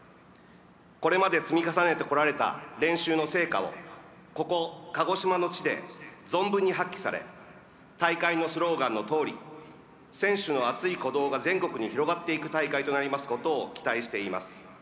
これまで積み重ねてこられた練習の成果を、ここ鹿児島の地で存分に発揮され大会のスローガンのとおり選手の熱い鼓動が全国に広がっていく大会となりますことを期待しています。